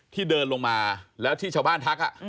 เดินลงมาแล้วที่ชาวบ้านทัก